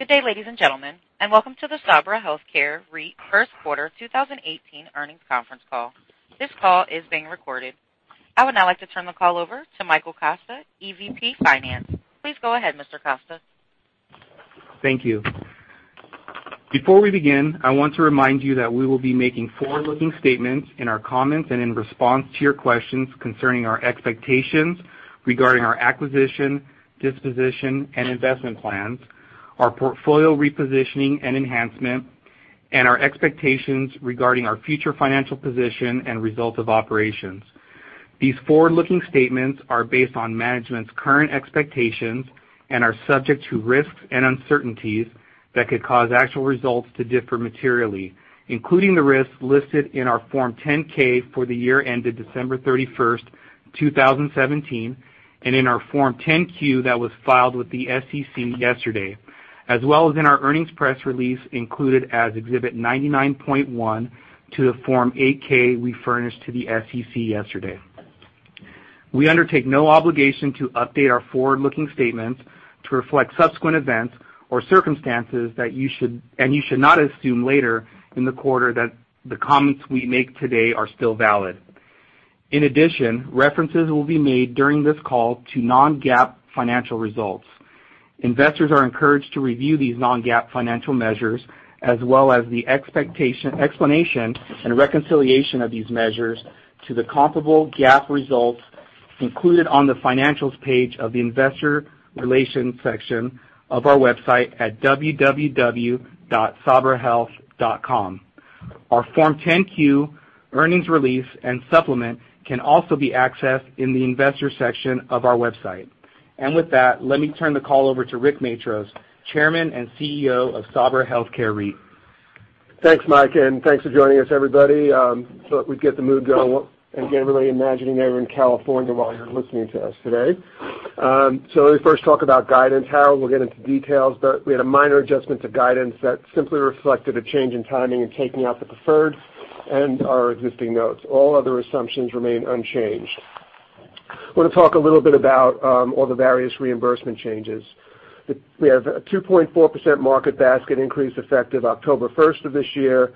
Good day, ladies and gentlemen, and welcome to the Sabra Health Care REIT First Quarter 2018 Earnings Conference Call. This call is being recorded. I would now like to turn the call over to Michael Costa, EVP Finance. Please go ahead, Mr. Costa. Thank you. Before we begin, I want to remind you that we will be making forward-looking statements in our comments and in response to your questions concerning our expectations regarding our acquisition, disposition, and investment plans, our portfolio repositioning and enhancement, and our expectations regarding our future financial position and results of operations. These forward-looking statements are based on management's current expectations and are subject to risks and uncertainties that could cause actual results to differ materially, including the risks listed in our Form 10-K for the year ended December 31st, 2017, and in our Form 10-Q that was filed with the SEC yesterday, as well as in our earnings press release included as Exhibit 99.1 to the Form 8-K we furnished to the SEC yesterday. We undertake no obligation to update our forward-looking statements to reflect subsequent events or circumstances. You should not assume later in the quarter that the comments we make today are still valid. In addition, references will be made during this call to non-GAAP financial results. Investors are encouraged to review these non-GAAP financial measures, as well as the explanation and reconciliation of these measures to the comparable GAAP results included on the Financials page of the Investor Relations section of our website at www.sabrahealth.com. Our Form 10-Q, earnings release, and supplement can also be accessed in the Investors section of our website. With that, let me turn the call over to Rick Matros, Chairman and CEO of Sabra Health Care REIT. Thanks, Mike, and thanks for joining us, everybody. Thought we'd get the mood going and get everybody imagining they're in California while you're listening to us today. Let me first talk about guidance. Harold will get into details. We had a minor adjustment to guidance that simply reflected a change in timing in taking out the preferred and our existing notes. All other assumptions remain unchanged. Want to talk a little bit about all the various reimbursement changes. We have a 2.4% market basket increase effective October 1st of this year.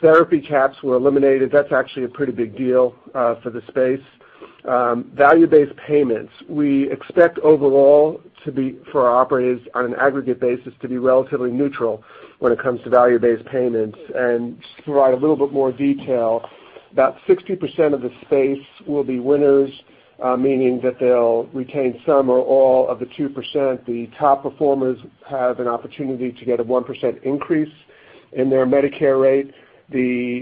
Therapy caps were eliminated. That's actually a pretty big deal for the space. Value-based payments, we expect overall for our operators on an aggregate basis to be relatively neutral when it comes to value-based payments. To provide a little bit more detail, about 60% of the space will be winners, meaning that they'll retain some or all of the 2%. The top performers have an opportunity to get a 1% increase in their Medicare rate.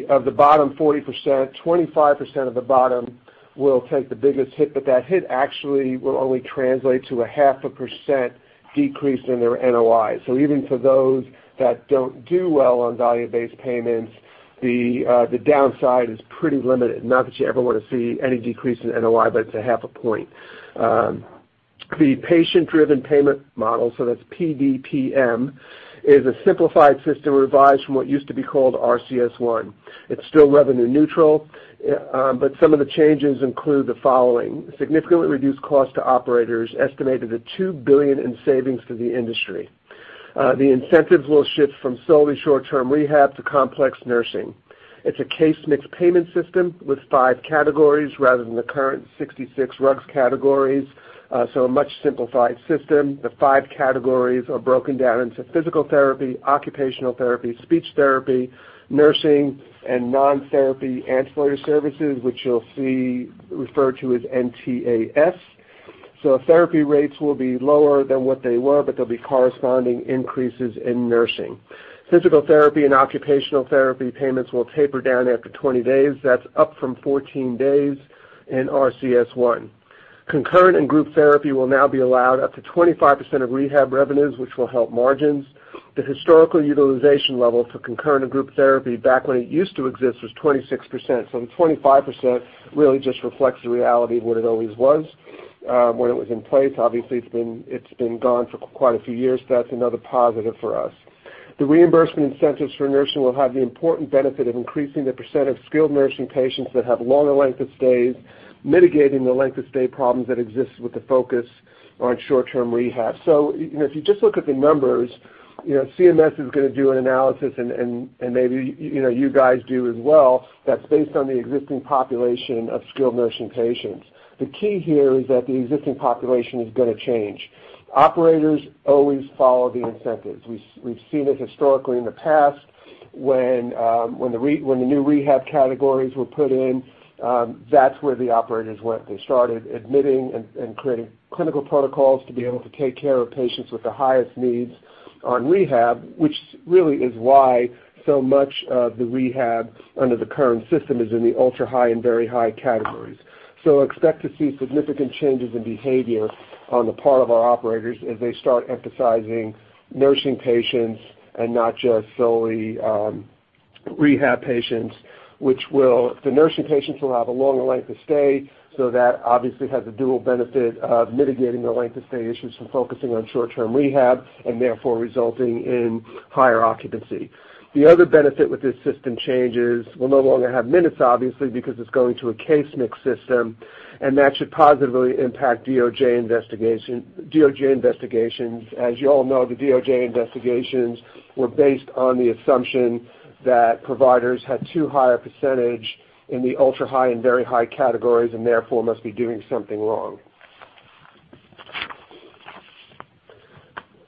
Of the bottom 40%, 25% of the bottom will take the biggest hit, but that hit actually will only translate to a half a percent decrease in their NOI. Even for those that don't do well on value-based payments, the downside is pretty limited. Not that you ever want to see any decrease in NOI, but it's a half a point. The patient-driven payment model, that's PDPM, is a simplified system revised from what used to be called RCS-1. It's still revenue neutral, but some of the changes include the following: Significantly reduced cost to operators, estimated at $2 billion in savings to the industry. The incentives will shift from solely short-term rehab to complex nursing. It's a case-mix payment system with 5 categories rather than the current 66 RUGs categories, a much simplified system. The 5 categories are broken down into physical therapy, occupational therapy, speech therapy, nursing, and non-therapy ancillary services, which you'll see referred to as NTAS. Therapy rates will be lower than what they were, but there'll be corresponding increases in nursing. Physical therapy and occupational therapy payments will taper down after 20 days. That's up from 14 days in RCS-1. Concurrent and group therapy will now be allowed up to 25% of rehab revenues, which will help margins. The historical utilization level for concurrent and group therapy back when it used to exist was 26%, 25% really just reflects the reality of what it always was when it was in place. Obviously, it's been gone for quite a few years. That's another positive for us. The reimbursement incentives for nursing will have the important benefit of increasing the percent of skilled nursing patients that have longer length of stays, mitigating the length of stay problems that exist with the focus on short-term rehab. If you just look at the numbers, CMS is going to do an analysis, and maybe you guys do as well, that's based on the existing population of skilled nursing patients. The key here is that the existing population is going to change. Operators always follow the incentives. We've seen it historically in the past when the new rehab categories were put in, that's where the operators went. They started admitting and creating clinical protocols to be able to take care of patients with the highest needs on rehab, which really is why so much of the rehab under the current system is in the ultra-high and very high categories. Expect to see significant changes in behavior on the part of our operators as they start emphasizing nursing patients and not just solely rehab patients, which the nursing patients will have a longer length of stay, so that obviously has a dual benefit of mitigating the length of stay issues from focusing on short-term rehab and therefore resulting in higher occupancy. The other benefit with this system change is we'll no longer have minutes, obviously, because it's going to a case-mix system, and that should positively impact DOJ investigations. As you all know, the DOJ investigations were based on the assumption that providers had too high a percentage in the ultra-high and very high categories and therefore must be doing something wrong.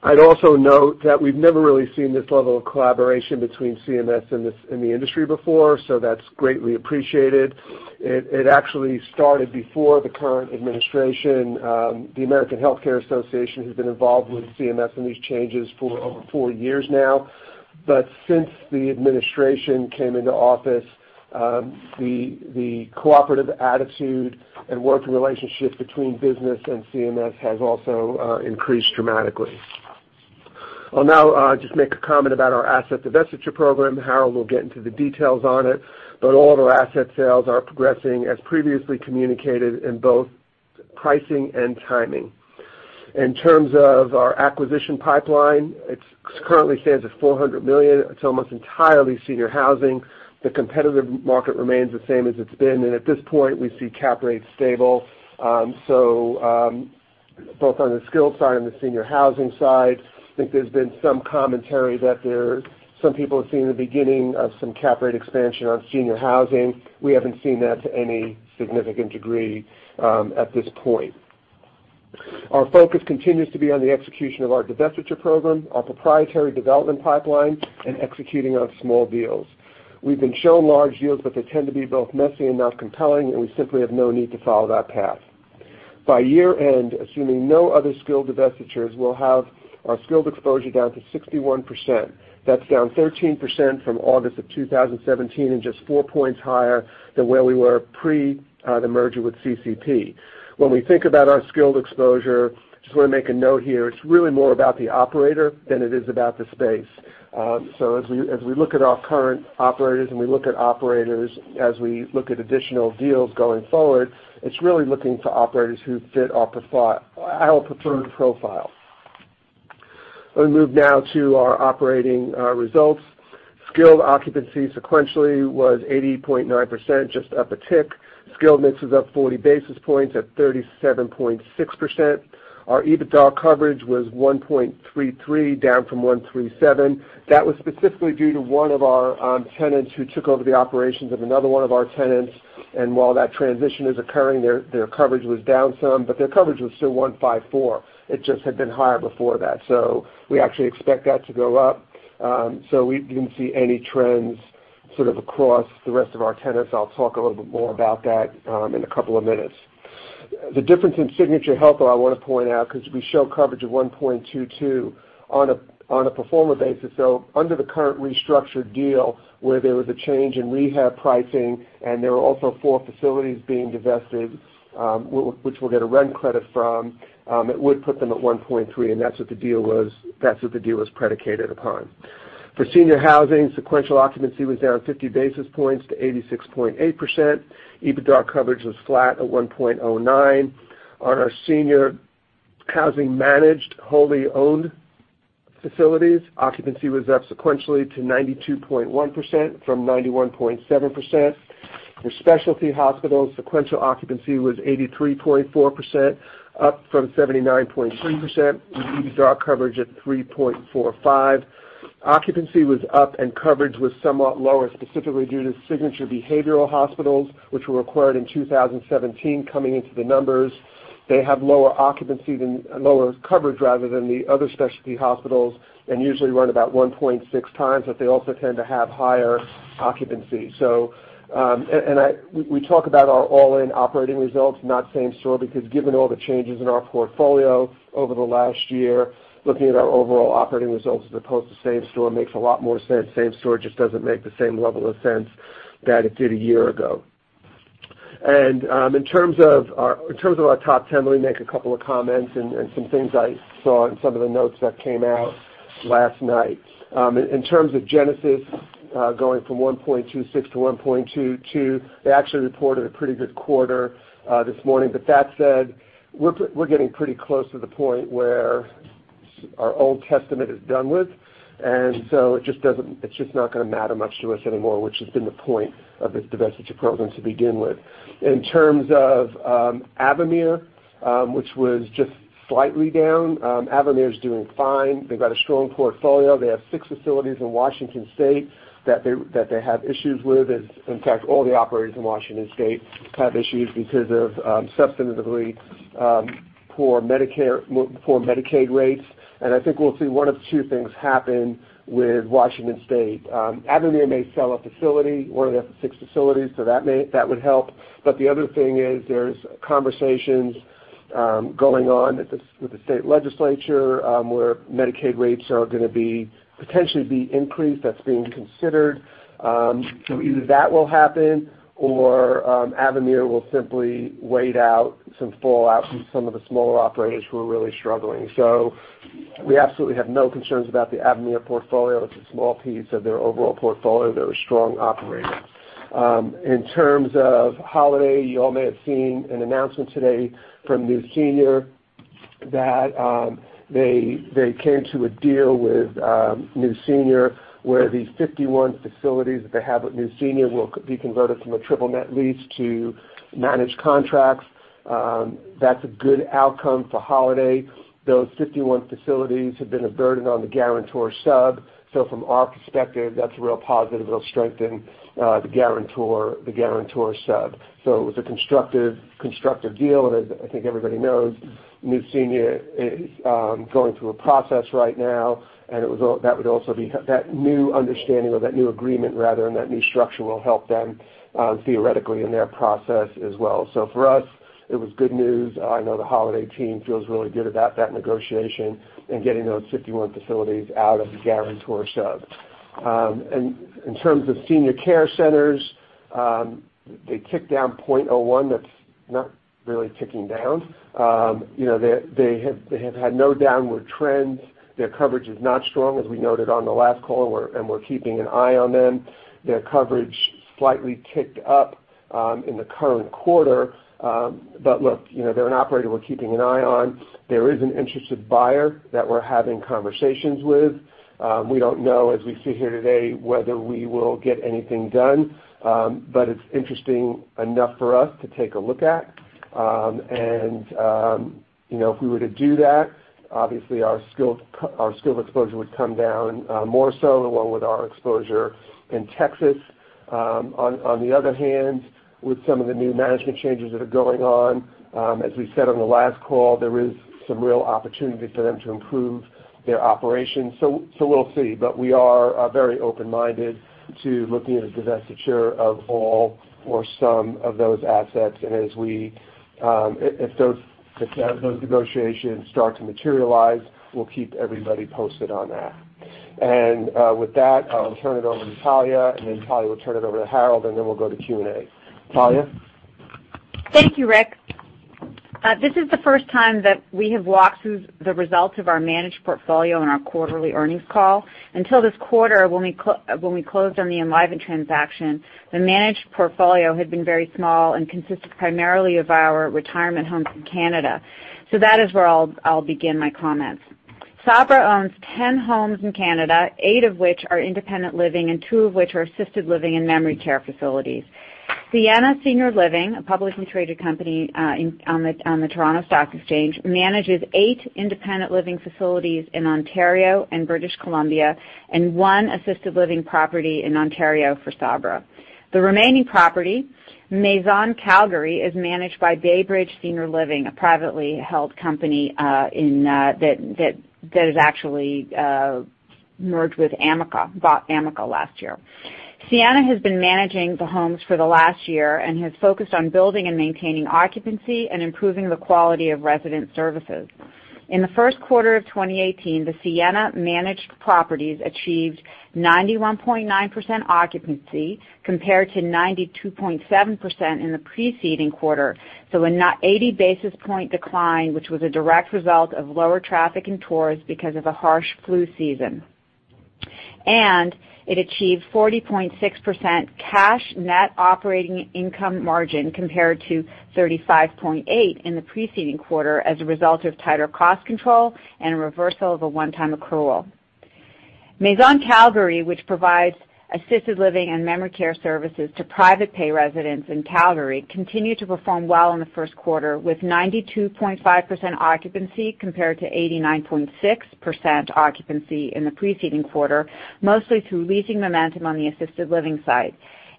I'd also note that we've never really seen this level of collaboration between CMS and the industry before, so that's greatly appreciated. It actually started before the current administration. The American Health Care Association has been involved with CMS and these changes for over 4 years now. Since the administration came into office, the cooperative attitude and working relationship between business and CMS has also increased dramatically. I'll now just make a comment about our asset divestiture program. Harold will get into the details on it, but all of our asset sales are progressing as previously communicated in both pricing and timing. In terms of our acquisition pipeline, it currently stands at $400 million. It's almost entirely senior housing. The competitive market remains the same as it's been, and at this point, we see cap rates stable. Both on the skilled side and the senior housing side, I think there's been some commentary that some people are seeing the beginning of some cap rate expansion on senior housing. We haven't seen that to any significant degree at this point. Our focus continues to be on the execution of our divestiture program, our proprietary development pipeline, and executing on small deals. We've been shown large deals, but they tend to be both messy and not compelling, and we simply have no need to follow that path. By year-end, assuming no other skilled divestitures, we'll have our skilled exposure down to 61%. That's down 13% from August of 2017 and just four points higher than where we were pre the merger with CCP. When we think about our skilled exposure, just want to make a note here, it's really more about the operator than it is about the space. As we look at our current operators and we look at operators as we look at additional deals going forward, it's really looking for operators who fit our preferred profile. Let me move now to our operating results. Skilled occupancy sequentially was 80.9%, just up a tick. Skilled mix was up 40 basis points at 37.6%. Our EBITDA coverage was 1.33, down from 1.37. That was specifically due to one of our tenants who took over the operations of another one of our tenants, and while that transition is occurring, their coverage was down some, but their coverage was still 1.54. It just had been higher before that. We actually expect that to go up. We didn't see any trends sort of across the rest of our tenants. I'll talk a little bit more about that in a couple of minutes. The difference in Signature Healthcare, I want to point out, because we show coverage of 1.22 on a pro forma basis, so under the current restructured deal where there was a change in rehab pricing and there were also four facilities being divested which we'll get a rent credit from, it would put them at 1.3, and that's what the deal was predicated upon. For senior housing, sequential occupancy was down 50 basis points to 86.8%. EBITDA coverage was flat at 1.09. On our senior housing managed, wholly owned facilities, occupancy was up sequentially to 92.1% from 91.7%. For specialty hospitals, sequential occupancy was 83.4%, up from 79.3%, with EBITDA coverage at 3.45. Occupancy was up, coverage was somewhat lower, specifically due to Signature Healthcare Services hospitals, which were acquired in 2017, coming into the numbers. They have lower coverage rather than the other specialty hospitals and usually run about 1.6 times, but they also tend to have higher occupancy. We talk about our all-in operating results, not same store, because given all the changes in our portfolio over the last year, looking at our overall operating results as opposed to same store makes a lot more sense. Same store just doesn't make the same level of sense that it did a year ago. In terms of our top 10, let me make a couple of comments and some things I saw in some of the notes that came out last night. In terms of Genesis Healthcare, going from 1.26 to 1.22, they actually reported a pretty good quarter this morning. That said, we're getting pretty close to the point where our old testament is done with, it's just not going to matter much to us anymore, which has been the point of this divestiture program to begin with. In terms of Avamere, which was just slightly down, Avamere's doing fine. They've got a strong portfolio. They have 6 facilities in Washington State that they have issues with. In fact, all the operators in Washington State have issues because of substantively poor Medicaid rates. I think we'll see one of two things happen with Washington State. Avamere may sell a facility, one of their 6 facilities, so that would help. The other thing is, there's conversations going on with the state legislature, where Medicaid rates are going to potentially be increased. That's being considered. Either that will happen or Avamere will simply wait out some fallout from some of the smaller operators who are really struggling. We absolutely have no concerns about the Avamere portfolio. It's a small piece of their overall portfolio. They're a strong operator. In terms of Holiday Retirement, you all may have seen an announcement today from New Senior Investment Group that they came to a deal with New Senior Investment Group, where the 51 facilities that they have at New Senior Investment Group will be converted from a triple net lease to managed contracts. That's a good outcome for Holiday Retirement. Those 51 facilities have been a burden on the guarantor sub. From our perspective, that's a real positive. It'll strengthen the guarantor sub. It was a constructive deal, I think everybody knows New Senior Investment Group is going through a process right now, that new understanding or that new agreement rather, that new structure will help them theoretically in their process as well. For us, it was good news. I know the Holiday Retirement team feels really good about that negotiation and getting those 51 facilities out of the guarantor sub. In terms of Senior Care Centers, they kicked down 0.01. That's not really kicking down. They have had no downward trends. Their coverage is not strong, as we noted on the last call, we're keeping an eye on them. Their coverage slightly kicked up in the current quarter. Look, they're an operator we're keeping an eye on. There is an interested buyer that we're having conversations with. We don't know, as we sit here today, whether we will get anything done, but it's interesting enough for us to take a look at. If we were to do that, obviously our skilled exposure would come down more so, along with our exposure in Texas. With some of the new management changes that are going on, as we said on the last call, there is some real opportunity for them to improve their operations. We'll see, but we are very open-minded to looking at a divestiture of all or some of those assets. As those negotiations start to materialize, we'll keep everybody posted on that. With that, I'll turn it over to Talia, then Talia will turn it over to Harold, then we'll go to Q&A. Talia? Thank you, Rick. This is the first time that we have walked through the results of our managed portfolio on our quarterly earnings call. Until this quarter, when we closed on the Enlivant transaction, the managed portfolio had been very small and consisted primarily of our retirement homes in Canada. That is where I'll begin my comments. Sabra owns 10 homes in Canada, eight of which are independent living and two of which are assisted living and memory care facilities. Sienna Senior Living, a publicly traded company on the Toronto Stock Exchange, manages eight independent living facilities in Ontario and British Columbia and one assisted living property in Ontario for Sabra. The remaining property, Maison Calgary, is managed by BayBridge Seniors Housing Inc., a privately held company that has actually merged with Amica, bought Amica last year. Sienna has been managing the homes for the last year and has focused on building and maintaining occupancy and improving the quality of resident services. In the first quarter of 2018, the Sienna-managed properties achieved 91.9% occupancy compared to 92.7% in the preceding quarter. An 80 basis point decline, which was a direct result of lower traffic and tours because of a harsh flu season. It achieved 40.6% cash net operating income margin compared to 35.8% in the preceding quarter as a result of tighter cost control and a reversal of a one-time accrual. Maison Calgary, which provides assisted living and memory care services to private pay residents in Calgary, continued to perform well in the first quarter with 92.5% occupancy compared to 89.6% occupancy in the preceding quarter, mostly through leasing momentum on the assisted living side.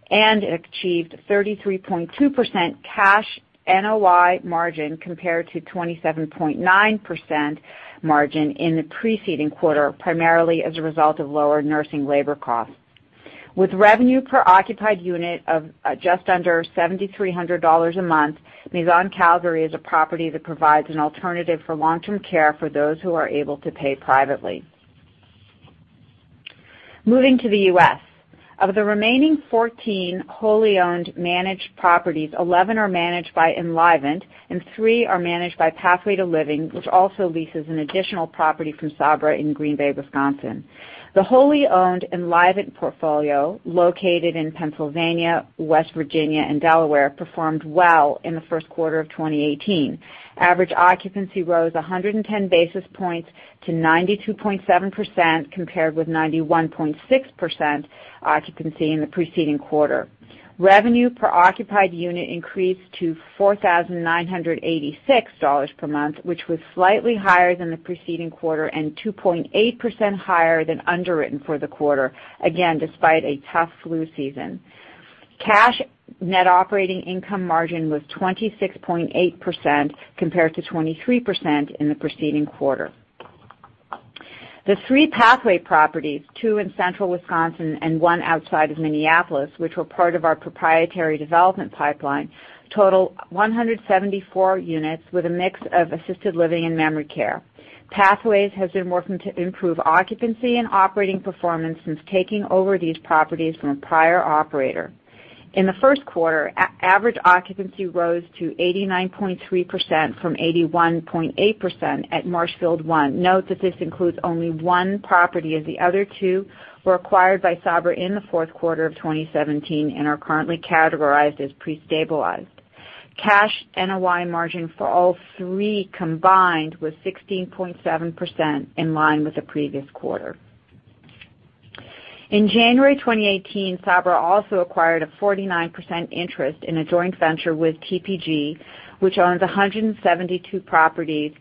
It achieved 33.2% cash NOI margin compared to 27.9% margin in the preceding quarter, primarily as a result of lower nursing labor costs. With revenue per occupied unit of just under 7,300 dollars a month, Maison Calgary is a property that provides an alternative for long-term care for those who are able to pay privately. Moving to the U.S., of the remaining 14 wholly owned managed properties, 11 are managed by Enlivant, and three are managed by Pathway to Living, which also leases an additional property from Sabra in Green Bay, Wisconsin. The wholly owned Enlivant portfolio, located in Pennsylvania, West Virginia and Delaware, performed well in the first quarter of 2018. Average occupancy rose 110 basis points to 92.7%, compared with 91.6% occupancy in the preceding quarter. Revenue per occupied unit increased to $4,986 per month, which was slightly higher than the preceding quarter and 2.8% higher than underwritten for the quarter, again, despite a tough flu season. Cash net operating income margin was 26.8%, compared to 23% in the preceding quarter. The three Pathway properties, two in central Wisconsin and one outside of Minneapolis, which were part of our proprietary development pipeline, total 174 units with a mix of assisted living and memory care. Pathway has been working to improve occupancy and operating performance since taking over these properties from a prior operator. In the first quarter, average occupancy rose to 89.3% from 81.8% at Marshfield I. Note that this includes only one property, as the other two were acquired by Sabra in the fourth quarter of 2017 and are currently categorized as pre-stabilized. Cash NOI margin for all three combined was 16.7%, in line with the previous quarter. In January 2018, Sabra also acquired a 49% interest in a joint venture with TPG, which owns 172 properties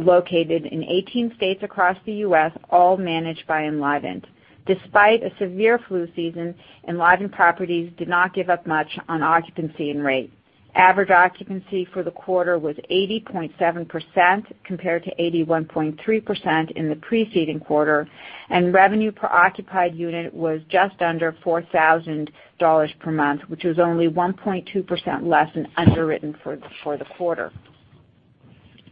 located in 18 states across the U.S., all managed by Enlivant. Despite a severe flu season, Enlivant properties did not give up much on occupancy and rate. Average occupancy for the quarter was 80.7%, compared to 81.3% in the preceding quarter, and revenue per occupied unit was just under $4,000 per month, which was only 1.2% less than underwritten for the quarter.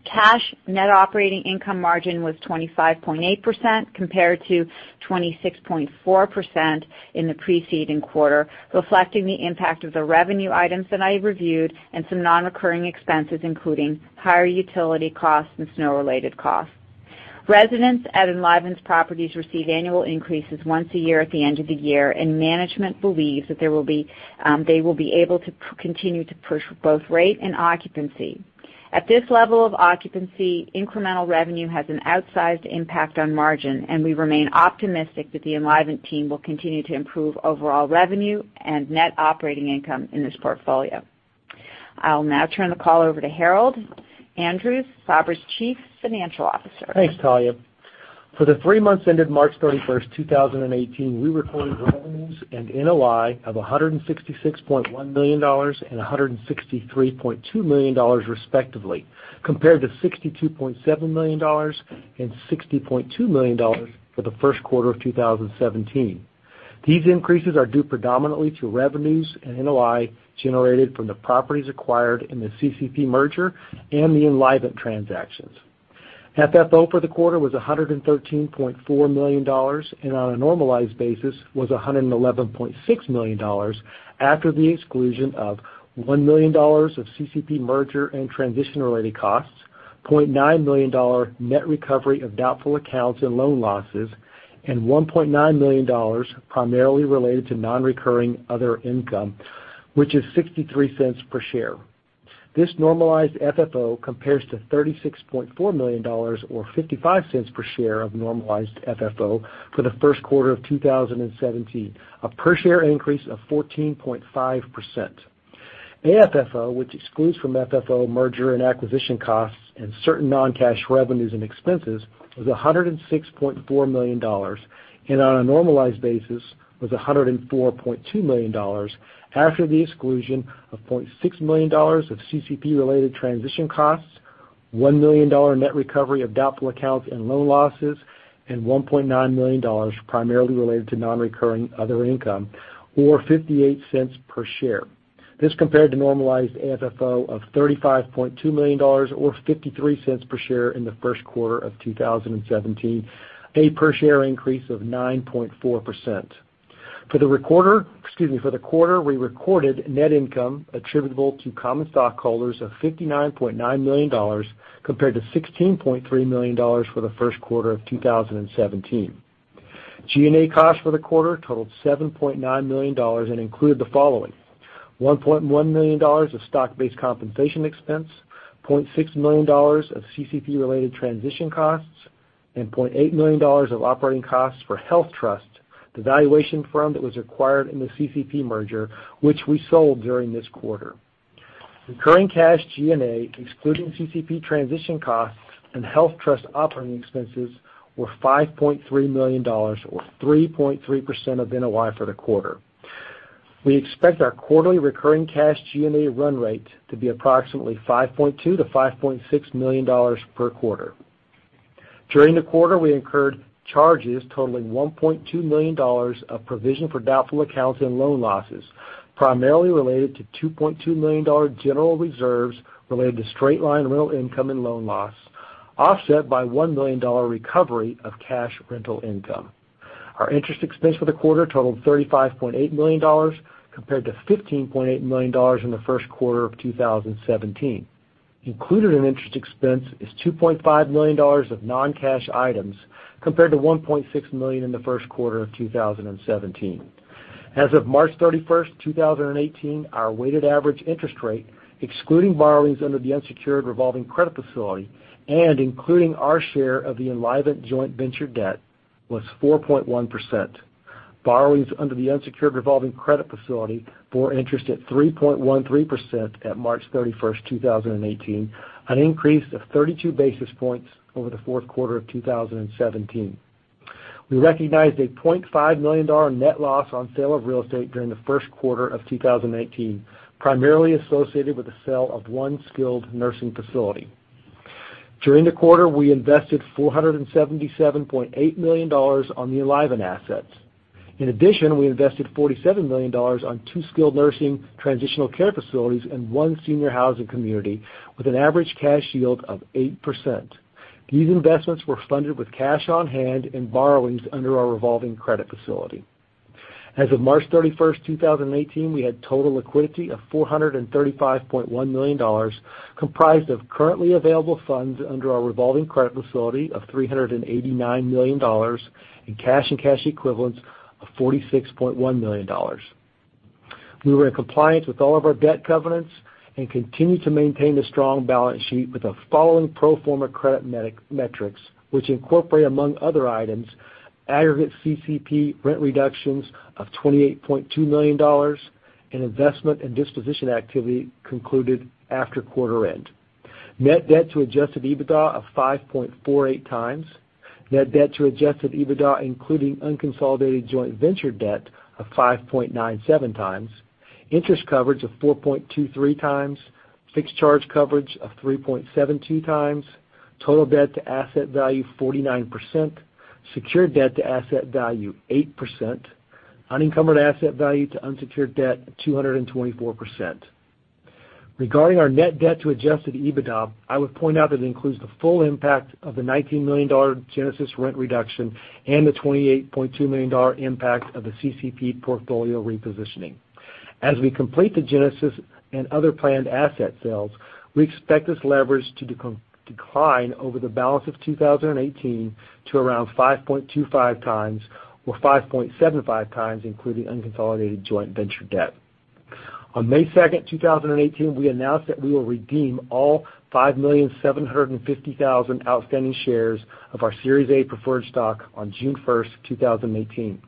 Cash net operating income margin was 25.8%, compared to 26.4% in the preceding quarter, reflecting the impact of the revenue items that I reviewed and some non-occurring expenses, including higher utility costs and snow-related costs. Residents at Enlivant's properties receive annual increases once a year at the end of the year, and management believes that they will be able to continue to push both rate and occupancy. At this level of occupancy, incremental revenue has an outsized impact on margin, and we remain optimistic that the Enlivant team will continue to improve overall revenue and net operating income in this portfolio. I'll now turn the call over to Harold Andrews, Sabra's Chief Financial Officer. Thanks, Talia. For the three months ended March 31st, 2018, we recorded revenues and NOI of $166.1 million and $163.2 million respectively, compared to $62.7 million and $60.2 million for the first quarter of 2017. These increases are due predominantly to revenues and NOI generated from the properties acquired in the CCP merger and the Enlivant transactions. FFO for the quarter was $113.4 million and on a normalized basis was $111.6 million after the exclusion of $1 million of CCP merger and transition-related costs, $0.9 million net recovery of doubtful accounts and loan losses, and $1.9 million primarily related to non-recurring other income, which is $0.63 per share. This normalized FFO compares to $36.4 million or $0.55 per share of normalized FFO for the first quarter of 2017, a per-share increase of 14.5%. AFFO, which excludes from FFO merger and acquisition costs and certain non-cash revenues and expenses, was $106.4 million, and on a normalized basis was $104.2 million after the exclusion of $0.6 million of CCP-related transition costs, $1 million net recovery of doubtful accounts and loan losses, and $1.9 million primarily related to non-recurring other income or $0.58 per share. This compared to normalized AFFO of $35.2 million or $0.53 per share in the first quarter of 2017, a per-share increase of 9.4%. For the quarter we recorded net income attributable to common stockholders of $59.9 million, compared to $16.3 million for the first quarter of 2017. G&A costs for the quarter totaled $7.9 million and included the following: $1.1 million of stock-based compensation expense, $0.6 million of CCP-related transition costs, and $0.8 million of operating costs for HealthTrust, the valuation firm that was acquired in the CCP merger, which we sold during this quarter. Recurring cash G&A, excluding CCP transition costs and HealthTrust operating expenses, were $5.3 million or 3.3% of NOI for the quarter. We expect our quarterly recurring cash G&A run rate to be approximately $5.2 million-$5.6 million per quarter. During the quarter, we incurred charges totaling $1.2 million of provision for doubtful accounts and loan losses, primarily related to $2.2 million general reserves related to straight-line rental income and loan loss, offset by $1 million recovery of cash rental income. Our interest expense for the quarter totaled $35.8 million, compared to $15.8 million in the first quarter of 2017. Included in interest expense is $2.5 million of non-cash items, compared to $1.6 million in the first quarter of 2017. As of March 31st, 2018, our weighted average interest rate, excluding borrowings under the unsecured revolving credit facility and including our share of the Enlivant joint venture debt, was 4.1%. Borrowings under the unsecured revolving credit facility bore interest at 3.13% at March 31st, 2018, an increase of 32 basis points over the fourth quarter of 2017. We recognized a $0.5 million net loss on sale of real estate during the first quarter of 2018, primarily associated with the sale of one skilled nursing facility. During the quarter, we invested $477.8 million on the Enlivant assets. In addition, we invested $47 million on two skilled nursing transitional care facilities and one senior housing community with an average cash yield of 8%. These investments were funded with cash on hand and borrowings under our revolving credit facility. As of March 31st, 2018, we had total liquidity of $435.1 million, comprised of currently available funds under our revolving credit facility of $389 million and cash and cash equivalents of $46.1 million. We were in compliance with all of our debt covenants and continue to maintain a strong balance sheet with the following pro forma credit metrics, which incorporate, among other items, aggregate CCP rent reductions of $28.2 million and investment and disposition activity concluded after quarter end. Net debt to adjusted EBITDA of 5.48 times, net debt to adjusted EBITDA, including unconsolidated joint venture debt, of 5.97 times, interest coverage of 4.23 times, fixed charge coverage of 3.72 times, total debt to asset value 49%, secured debt to asset value 8%, unencumbered asset value to unsecured debt 224%. Regarding our net debt to adjusted EBITDA, I would point out that it includes the full impact of the $19 million Genesis rent reduction and the $28.2 million impact of the CCP portfolio repositioning. As we complete the Genesis and other planned asset sales, we expect this leverage to decline over the balance of 2018 to around 5.25 times or 5.75 times, including unconsolidated joint venture debt. On May 2nd, 2018, we announced that we will redeem all 5,750,000 outstanding shares of our Series A preferred stock on June 1st, 2018.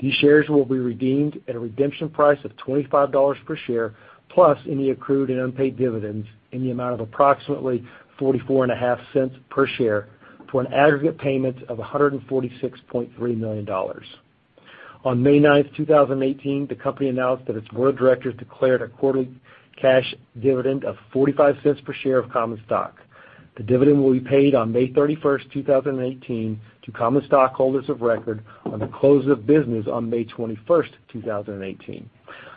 These shares will be redeemed at a redemption price of $25 per share, plus any accrued and unpaid dividends in the amount of approximately $0.4450 per share for an aggregate payment of $146.3 million. On May 9th, 2018, the company announced that its board of directors declared a quarterly cash dividend of $0.45 per share of common stock. The dividend will be paid on May 31st, 2018, to common stockholders of record on the close of business on May 21st, 2018.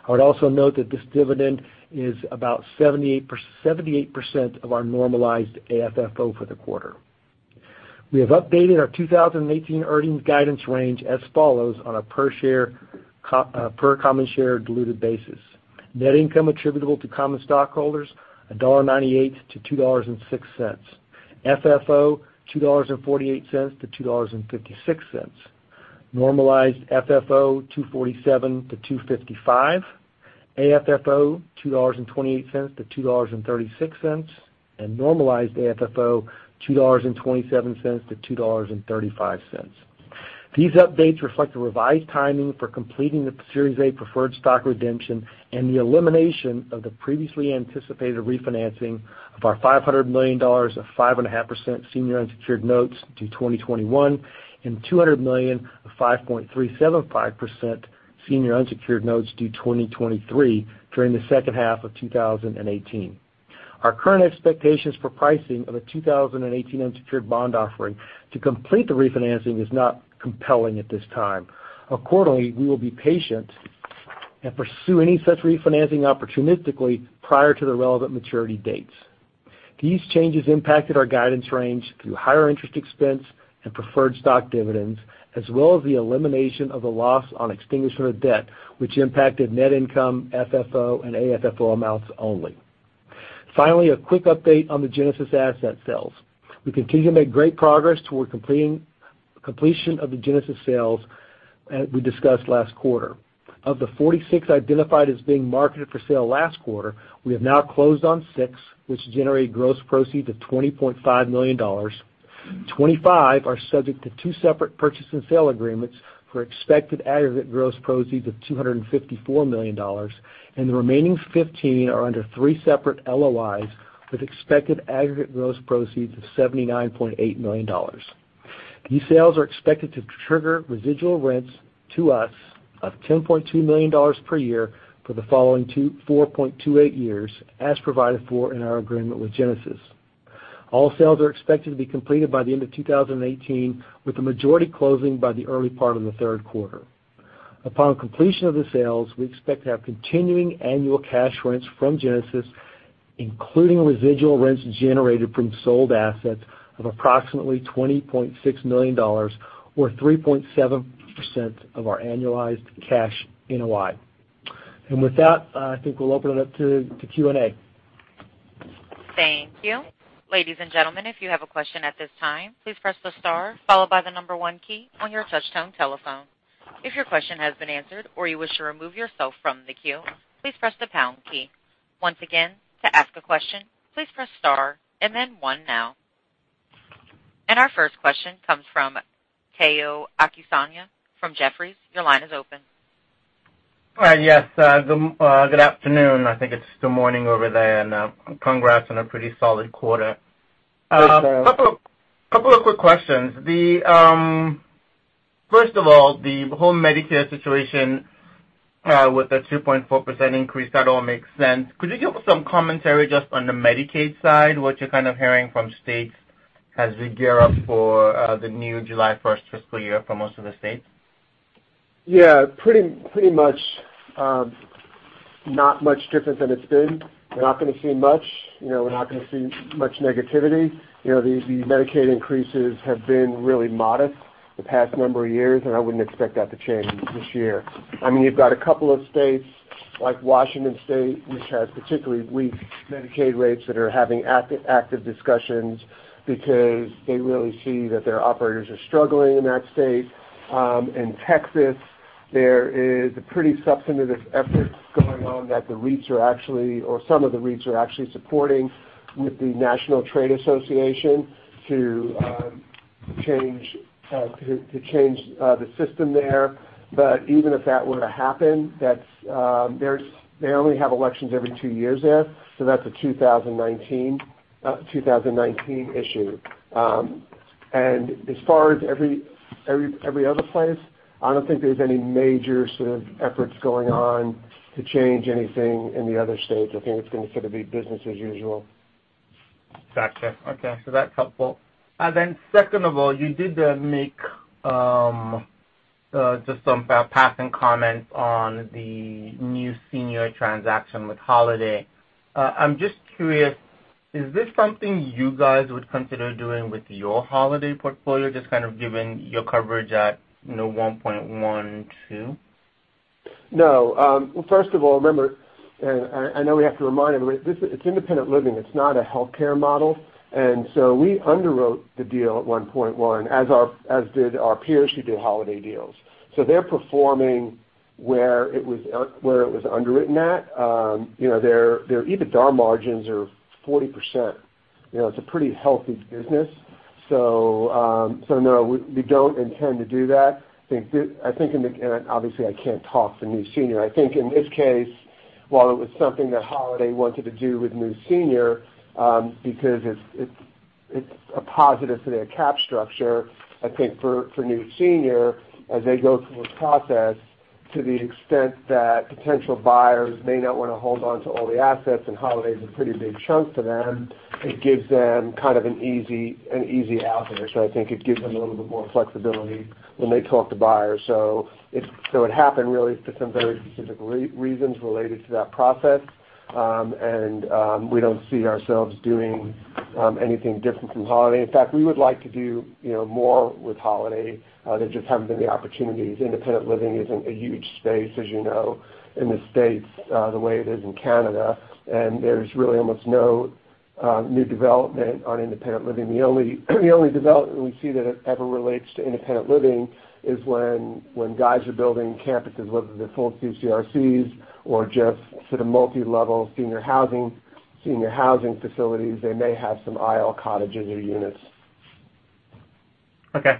I would also note that this dividend is about 78% of our normalized AFFO for the quarter. We have updated our 2018 earnings guidance range as follows on a per common share diluted basis. Net income attributable to common stockholders, $1.98-$2.06. FFO, $2.48-$2.56. Normalized FFO, $2.47-$2.55. AFFO, $2.28-$2.36. Normalized AFFO, $2.27-$2.35. These updates reflect the revised timing for completing the Series A preferred stock redemption and the elimination of the previously anticipated refinancing of our $500 million of 5.5% senior unsecured notes due 2021 and $200 million of 5.375% senior unsecured notes due 2023 during the second half of 2018. Our current expectations for pricing of a 2018 unsecured bond offering to complete the refinancing is not compelling at this time. Accordingly, we will be patient and pursue any such refinancing opportunistically prior to the relevant maturity dates. These changes impacted our guidance range through higher interest expense and preferred stock dividends, as well as the elimination of the loss on extinguishment of debt, which impacted net income, FFO, and AFFO amounts only. Finally, a quick update on the Genesis asset sales. We continue to make great progress toward completion of the Genesis sales as we discussed last quarter. Of the 46 identified as being marketed for sale last quarter, we have now closed on six, which generate gross proceeds of $20.5 million. Twenty-five are subject to two separate purchase and sale agreements for expected aggregate gross proceeds of $254 million, and the remaining 15 are under three separate LOIs with expected aggregate gross proceeds of $79.8 million. These sales are expected to trigger residual rents to us of $10.2 million per year for the following 4.28 years, as provided for in our agreement with Genesis. All sales are expected to be completed by the end of 2018, with the majority closing by the early part of the third quarter. Upon completion of the sales, we expect to have continuing annual cash rents from Genesis, including residual rents generated from sold assets of approximately $20.6 million, or 3.7% of our annualized cash NOI. With that, I think we'll open it up to Q&A. Thank you. Ladies and gentlemen, if you have a question at this time, please press the star followed by the one key on your touch-tone telephone. If your question has been answered or you wish to remove yourself from the queue, please press the pound key. Once again, to ask a question, please press star and then one now. Our first question comes from Omotayo Okusanya from Jefferies. Your line is open. Thanks, Sabra. Couple of quick questions. First of all, the whole Medicare situation with the 2.4% increase, that all makes sense. Could you give us some commentary just on the Medicaid side, what you're kind of hearing from states as we gear up for the new July 1st fiscal year for most of the states? Yeah. Pretty much not much different than it's been. We're not going to see much negativity. The Medicaid increases have been really modest the past number of years, and I wouldn't expect that to change this year. I mean, you've got a couple of states, like Washington State, which has particularly weak Medicaid rates, that are having active discussions because they really see that their operators are struggling in that state. Texas. There is a pretty substantive effort going on that the REITs, or some of the REITs, are actually supporting with the National Trade Association to change the system there. Even if that were to happen, they only have elections every two years there, so that's a 2019 issue. As far as every other place, I don't think there's any major sort of efforts going on to change anything in the other states. I think it's going to sort of be business as usual. Gotcha. Okay. That's helpful. Second of all, you did make just some passing comments on the New Senior transaction with Holiday. I'm just curious, is this something you guys would consider doing with your Holiday portfolio, just kind of given your coverage at 1.12? No. First of all, remember, I know we have to remind everybody, it's independent living. It's not a healthcare model. We underwrote the deal at 1.1, as did our peers who did Holiday deals. They're performing where it was underwritten at. Their EBITDA margins are 40%. It's a pretty healthy business. No, we don't intend to do that. Obviously I can't talk for New Senior. I think in this case, while it was something that Holiday wanted to do with New Senior because it's a positive for their cap structure, I think for New Senior, as they go through this process, to the extent that potential buyers may not want to hold onto all the assets, and Holiday is a pretty big chunk for them, it gives them kind of an easy out there. I think it gives them a little bit more flexibility when they talk to buyers. It happened really for some very specific reasons related to that process, and we don't see ourselves doing anything different from Holiday. In fact, we would like to do more with Holiday. There just haven't been the opportunities. Independent living isn't a huge space, as you know, in the States the way it is in Canada, and there's really almost no new development on independent living. The only development we see that ever relates to independent living is when guys are building campuses, whether they're full CCRCs or just sort of multi-level senior housing facilities, they may have some IL cottages or units. Okay.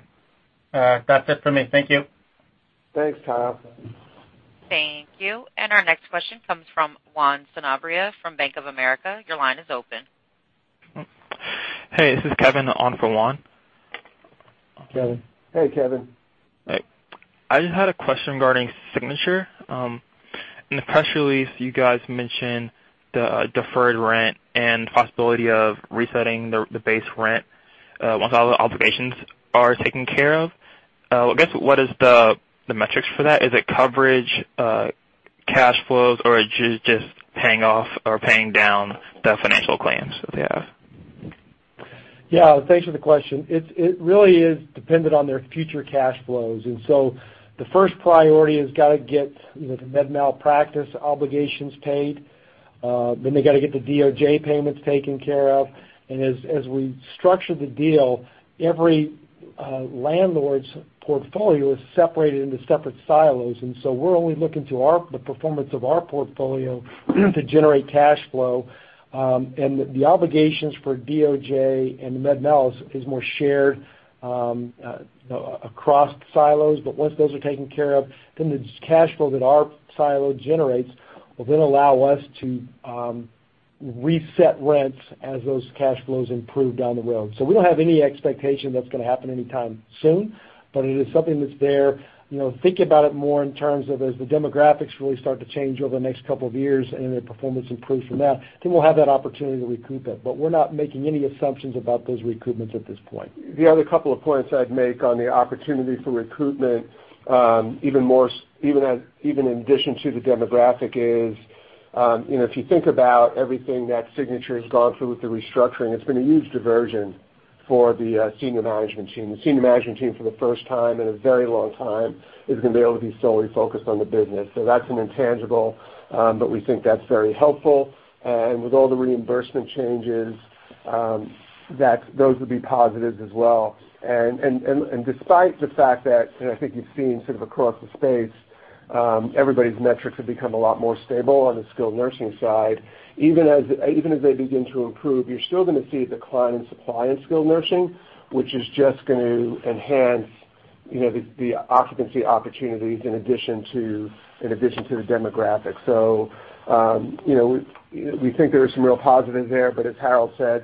That's it for me. Thank you. Thanks, Karin. Thank you. Our next question comes from Juan Sanabria from Bank of America. Your line is open. Hey, this is Kevin on for Juan. Kevin. Hey, Kevin. Hi. I just had a question regarding Signature. In the press release, you guys mentioned the deferred rent and possibility of resetting the base rent once all the obligations are taken care of. I guess, what is the metrics for that? Is it coverage, cash flows, or is it just paying off or paying down the financial claims that they have? Yeah. Thanks for the question. The first priority has got to get the med malpractice obligations paid. They got to get the DOJ payments taken care of. As we structure the deal, every landlord's portfolio is separated into separate silos, and so we're only looking to the performance of our portfolio to generate cash flow. The obligations for DOJ and the med mal is more shared across silos. Once those are taken care of, the cash flow that our silo generates will then allow us to reset rents as those cash flows improve down the road. We don't have any expectation that's going to happen anytime soon, but it is something that's there. Think about it more in terms of as the demographics really start to change over the next couple of years and their performance improves from that, then we'll have that opportunity to recoup it. We're not making any assumptions about those recoupments at this point. The other couple of points I'd make on the opportunity for recoupment, even in addition to the demographic is, if you think about everything that Signature has gone through with the restructuring, it's been a huge diversion for the senior management team. The senior management team for the first time in a very long time is going to be able to be solely focused on the business. That's an intangible, but we think that's very helpful. With all the reimbursement changes, those will be positives as well. Despite the fact that, and I think you've seen sort of across the space, everybody's metrics have become a lot more stable on the skilled nursing side. Even as they begin to improve, you're still going to see decline in supply in skilled nursing, which is just going to enhance the occupancy opportunities in addition to the demographics. We think there are some real positives there, but as Harold said,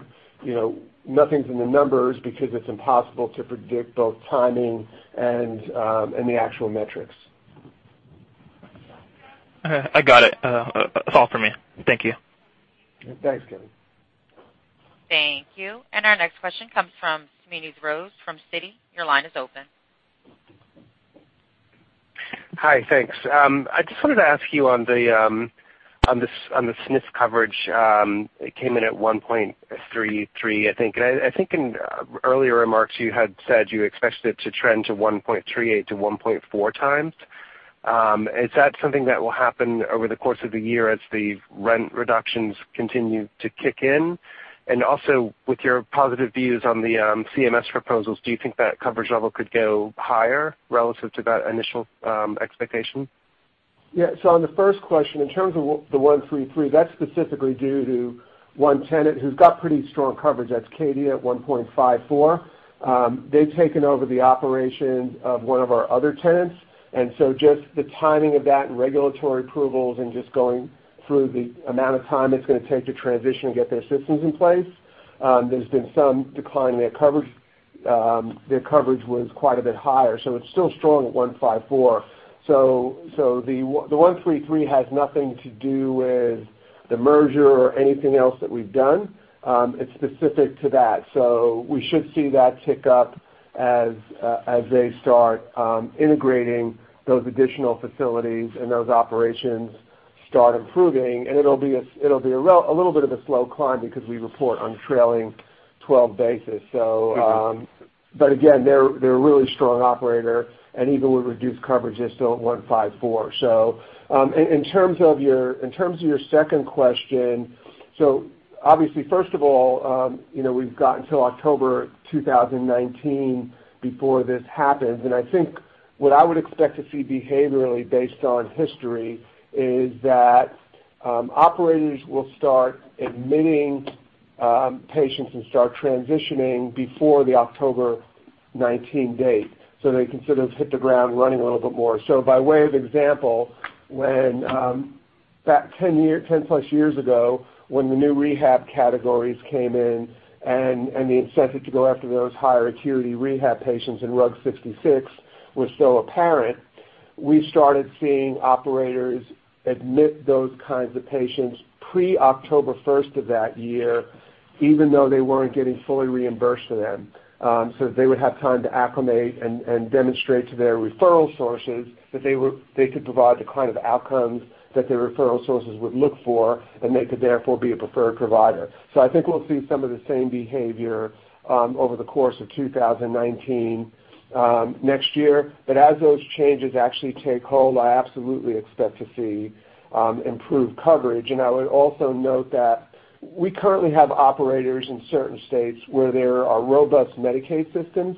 nothing's in the numbers because it's impossible to predict both timing and the actual metrics. Okay. I got it. That's all for me. Thank you. Thanks, Kevin. Thank you. Our next question comes from Smedes Rose from Citi. Your line is open. Hi. Thanks. I just wanted to ask you on the SNF coverage, it came in at 1.33, I think. I think in earlier remarks, you had said you expected it to trend to 1.38 to 1.4 times. Is that something that will happen over the course of the year as the rent reductions continue to kick in? Also with your positive views on the CMS proposals, do you think that coverage level could go higher relative to that initial expectation? Yeah. On the first question, in terms of the 133, that's specifically due to one tenant who's got pretty strong coverage. That's Cadia at 1.54. They've taken over the operation of one of our other tenants, just the timing of that and regulatory approvals and just going through the amount of time it's going to take to transition and get their systems in place, there's been some decline. Their coverage was quite a bit higher. It's still strong at 154. The 133 has nothing to do with the merger or anything else that we've done. It's specific to that. We should see that tick up as they start integrating those additional facilities and those operations start improving, it'll be a little bit of a slow climb because we report on trailing 12 basis. Again, they're a really strong operator, and even with reduced coverage, they're still at 154. In terms of your second question, obviously, first of all, we've got until October 2019 before this happens, and I think what I would expect to see behaviorally based on history is that, operators will start admitting patients and start transitioning before the October 19 date, so they can sort of hit the ground running a little bit more. By way of example, when, about 10-plus years ago, when the new rehab categories came in and the incentive to go after those higher acuity rehab patients in RUG-66 was still apparent, we started seeing operators admit those kinds of patients pre-October 1st of that year, even though they weren't getting fully reimbursed for them. They would have time to acclimate and demonstrate to their referral sources that they could provide the kind of outcomes that their referral sources would look for, and they could therefore be a preferred provider. I think we'll see some of the same behavior over the course of 2019, next year. As those changes actually take hold, I absolutely expect to see improved coverage. I would also note that we currently have operators in certain states where there are robust Medicaid systems.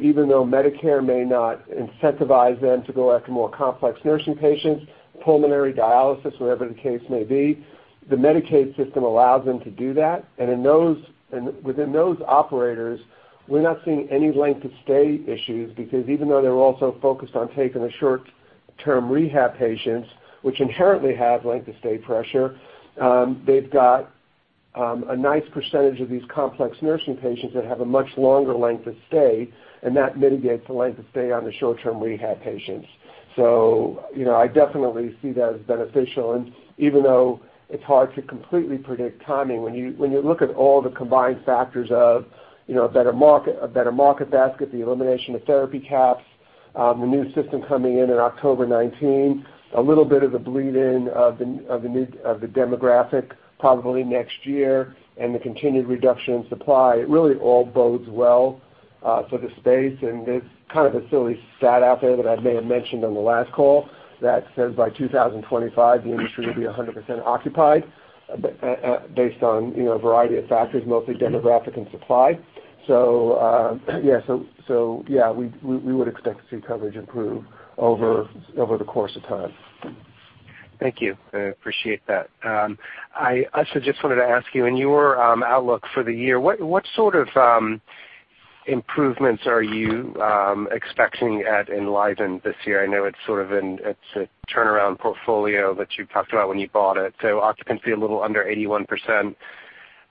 Even though Medicare may not incentivize them to go after more complex nursing patients, pulmonary dialysis, whatever the case may be, the Medicaid system allows them to do that. Within those operators, we're not seeing any length of stay issues, because even though they're also focused on taking the short-term rehab patients, which inherently have length of stay pressure, they've got a nice percentage of these complex nursing patients that have a much longer length of stay, and that mitigates the length of stay on the short-term rehab patients. I definitely see that as beneficial. Even though it's hard to completely predict timing, when you look at all the combined factors of a better market basket, the elimination of therapy caps, the new system coming in in October 19, a little bit of the bleed in of the demographic probably next year, and the continued reduction in supply, it really all bodes well for the space, and it's kind of a silly stat out there that I may have mentioned on the last call that says by 2025, the industry will be 100% occupied based on a variety of factors, mostly demographic and supply. Yeah, we would expect to see coverage improve over the course of time. Thank you. I appreciate that. I also just wanted to ask you, in your outlook for the year, what sort of improvements are you expecting at Enlivant this year? I know it's a turnaround portfolio that you talked about when you bought it, so occupancy a little under 81%.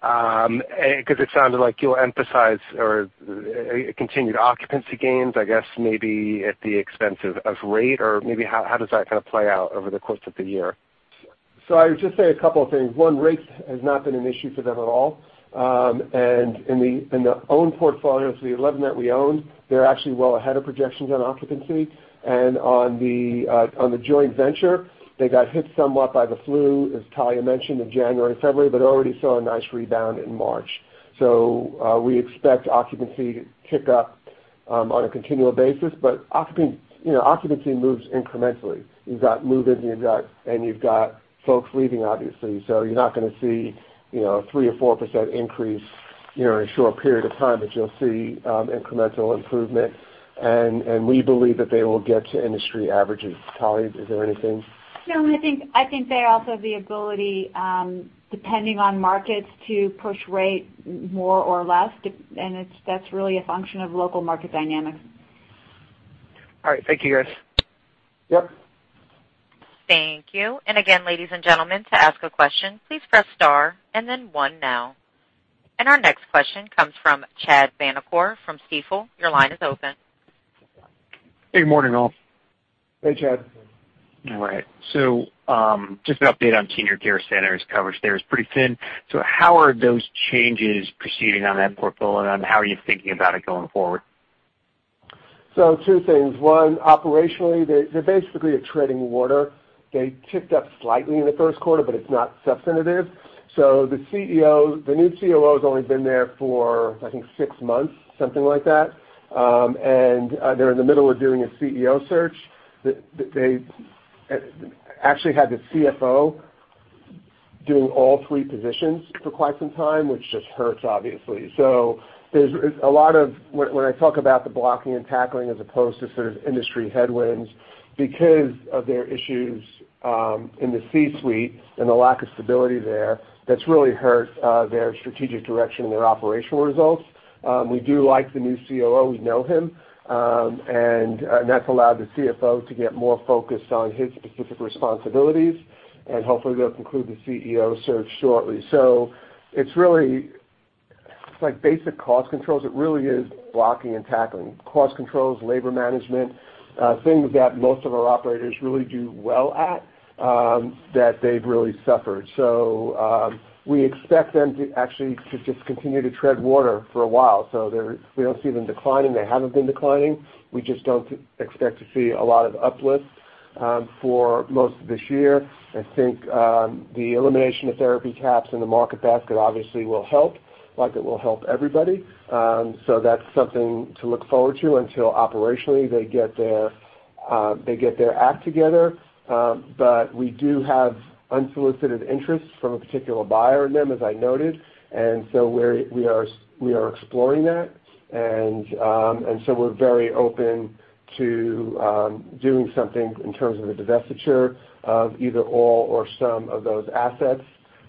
It sounded like you'll emphasize or continued occupancy gains, I guess maybe at the expense of rate, or maybe how does that kind of play out over the course of the year? I would just say a couple of things. One, rate has not been an issue for them at all. In the owned portfolios, the 11 that we own, they're actually well ahead of projections on occupancy. On the joint venture, they got hit somewhat by the flu, as Talya mentioned, in January, February, but already saw a nice rebound in March. We expect occupancy to tick up on a continual basis, but occupancy moves incrementally. You've got move-ins, and you've got folks leaving, obviously. You're not going to see a 3% or 4% increase in a short period of time, but you'll see incremental improvement. We believe that they will get to industry averages. Talya, is there anything? I think they also have the ability, depending on markets, to push rate more or less, and that's really a function of local market dynamics. All right. Thank you, guys. Yep. Thank you. Again, ladies and gentlemen, to ask a question, please press star and then one now. Our next question comes from Chad Vanacore from Stifel. Your line is open. Good morning, all. Hey, Chad. All right. Just an update on Senior Care Centers coverage there is pretty thin. How are those changes proceeding on that portfolio, and how are you thinking about it going forward? Two things. One, operationally, they're basically treading water. They ticked up slightly in the first quarter, it's not substantive. The new COO has only been there for, I think, six months, something like that. They're in the middle of doing a CEO search. They actually had the CFO doing all three positions for quite some time, which just hurts obviously. There's a lot of, when I talk about the blocking and tackling as opposed to sort of industry headwinds, because of their issues in the C-suite and the lack of stability there, that's really hurt their strategic direction and their operational results. We do like the new COO, we know him. That's allowed the CFO to get more focused on his specific responsibilities, and hopefully they'll conclude the CEO search shortly. It's really like basic cost controls. It really is blocking and tackling. Cost controls, labor management, things that most of our operators really do well at, that they've really suffered. We expect them to actually just continue to tread water for a while. We don't see them declining. They haven't been declining. We just don't expect to see a lot of uplifts for most of this year. I think the elimination of therapy caps and the market basket obviously will help, like it will help everybody. That's something to look forward to until operationally they get their act together. We do have unsolicited interest from a particular buyer in them, as I noted. We are exploring that. We're very open to doing something in terms of a divestiture of either all or some of those assets.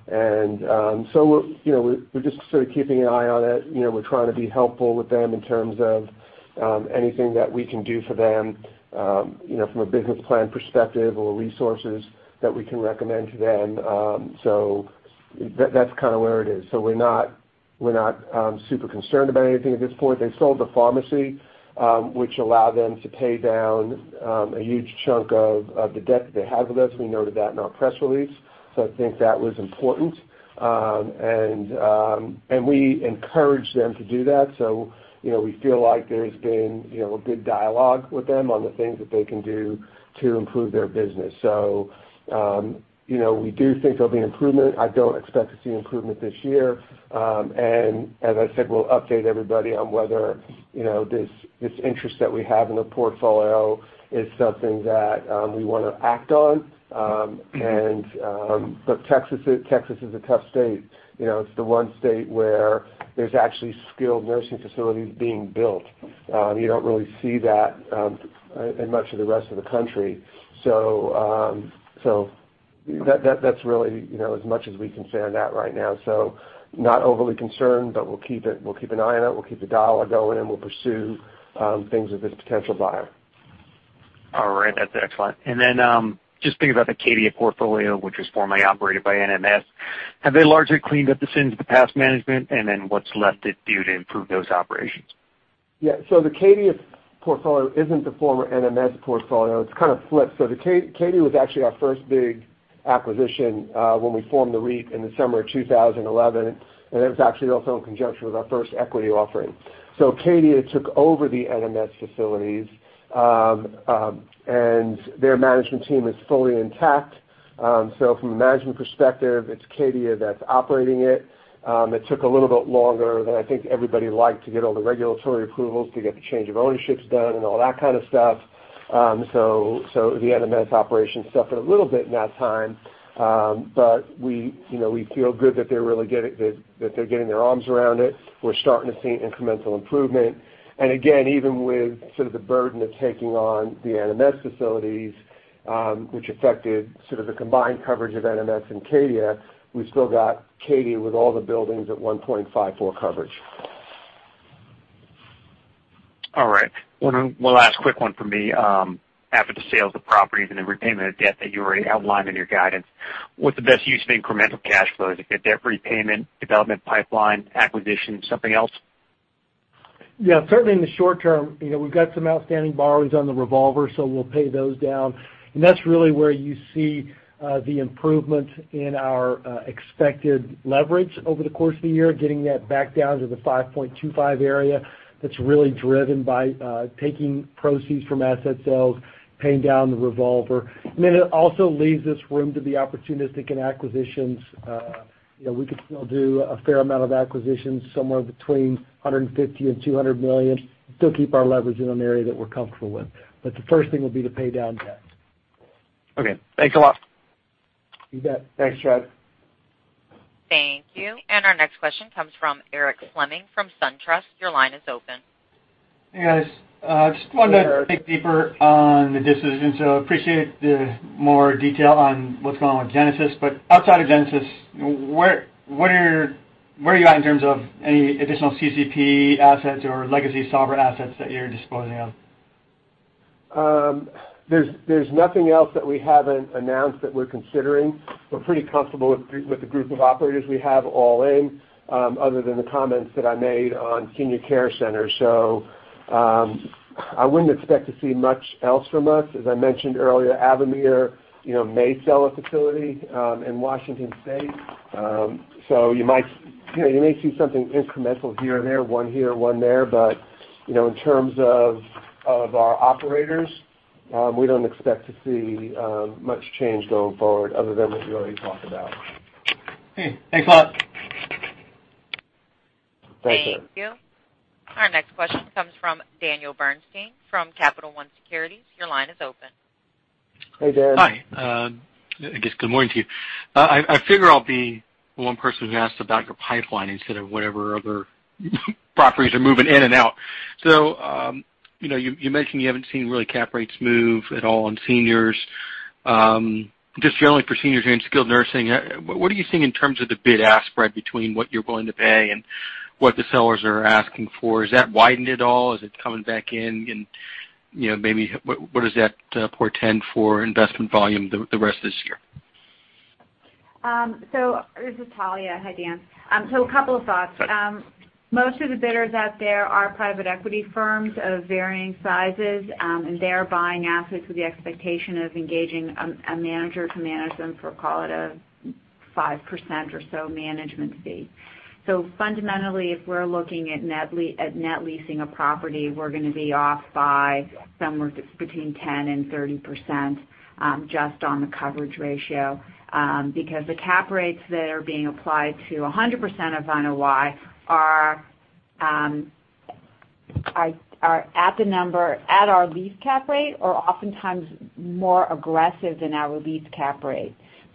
We're just sort of keeping an eye on it. We're trying to be helpful with them in terms of anything that we can do for them, from a business plan perspective or resources that we can recommend to them. That's kind of where it is. We're not super concerned about anything at this point. They sold the pharmacy, which allowed them to pay down a huge chunk of the debt that they have with us. We noted that in our press release, so I think that was important. We encouraged them to do that. We feel like there's been a good dialogue with them on the things that they can do to improve their business. We do think there'll be improvement. I don't expect to see improvement this year. As I said, we'll update everybody on whether this interest that we have in the portfolio is something that we want to act on. Texas is a tough state. It's the one state where there's actually skilled nursing facilities being built. You don't really see that in much of the rest of the country. That's really as much as we can say on that right now. Not overly concerned, but we'll keep an eye on it, we'll keep the dialogue going, and we'll pursue things with this potential buyer. All right. That's excellent. Just thinking about the Cadia portfolio, which was formerly operated by NMS, have they largely cleaned up the sins of the past management? What's left to do to improve those operations? Yeah. The Cadia portfolio isn't the former NMS portfolio. It's kind of flipped. Cadia was actually our first big acquisition when we formed the REIT in the summer of 2011, it was actually also in conjunction with our first equity offering. Cadia took over the NMS facilities, their management team is fully intact. From a management perspective, it's Cadia that's operating it. It took a little bit longer than I think everybody liked to get all the regulatory approvals, to get the change of ownerships done and all that kind of stuff. The NMS operation suffered a little bit in that time. We feel good that they're getting their arms around it. We're starting to see incremental improvement. Again, even with the burden of taking on the NMS facilities, which affected sort of the combined coverage of NMS and Cadia, we've still got Cadia with all the buildings at 1.54 coverage. All right. One last quick one from me. After the sales of properties and the repayment of debt that you already outlined in your guidance, what's the best use of incremental cash flow? Is it debt repayment, development pipeline, acquisition, something else? Yeah. Certainly in the short term, we've got some outstanding borrowings on the revolver, so we'll pay those down. That's really where you see the improvement in our expected leverage over the course of the year, getting that back down to the 5.25 area. That's really driven by taking proceeds from asset sales, paying down the revolver. Then it also leaves us room to be opportunistic in acquisitions. We could still do a fair amount of acquisitions, somewhere between $150 million and $200 million, and still keep our leverage in an area that we're comfortable with. The first thing will be to pay down debt. Okay. Thanks a lot. You bet. Thanks, Chad. Thank you. Our next question comes from Eric Fleming from SunTrust. Your line is open. Hey, guys. Just wanted to dig deeper on the decisions, appreciate the more detail on what's going on with Genesis. Outside of Genesis, where are you at in terms of any additional CCP assets or legacy Sabra assets that you're disposing of? There's nothing else that we haven't announced that we're considering. We're pretty comfortable with the group of operators we have all in, other than the comments that I made on Senior Care Centers. I wouldn't expect to see much else from us. As I mentioned earlier, Avamere may sell a facility in Washington State. You may see something incremental here and there, one here, one there. In terms of our operators, we don't expect to see much change going forward other than what we already talked about. Okay. Thanks a lot. Thank you. Our next question comes from Daniel Bernstein from Capital One Securities. Your line is open. Hey, Dan. Hi. I guess good morning to you. I figure I'll be the one person who asks about your pipeline instead of whatever other properties are moving in and out. You mentioned you haven't seen really cap rates move at all on seniors. Just generally for seniors and skilled nursing, what are you seeing in terms of the bid-ask spread between what you're willing to pay and what the sellers are asking for? Has that widened at all? Is it coming back in, and maybe what does that portend for investment volume the rest of this year? This is Talya. Hi, Dan. A couple of thoughts. Right. Most of the bidders out there are private equity firms of varying sizes, and they are buying assets with the expectation of engaging a manager to manage them for, call it a 5% or so management fee. Fundamentally, if we're looking at net leasing a property, we're going to be off by somewhere between 10% and 30% just on the coverage ratio, because the cap rates that are being applied to 100% of NOI are at the number, at our lease cap rate, are oftentimes more aggressive than our lease cap rate.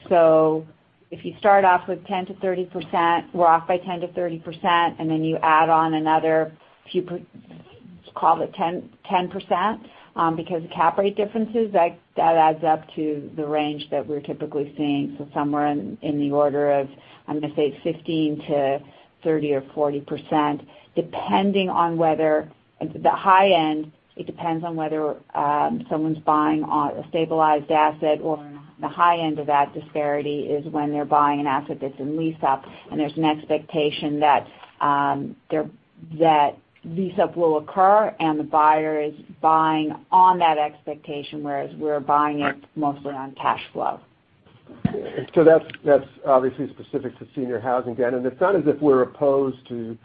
If you start off with 10%-30%, we're off by 10%-30%, and then you add on another few, call it 10%, because of cap rate differences, that adds up to the range that we're typically seeing. Somewhere in the order of, I'm going to say 15%-30% or 40%, depending on whether at the high end, it depends on whether someone's buying a stabilized asset, or the high end of that disparity is when they're buying an asset that's in lease-up, and there's an expectation that lease-up will occur, and the buyer is buying on that expectation, whereas we're buying it- Right mostly on cash flow. That's obviously specific to senior housing, Dan. It's not as if we're opposed to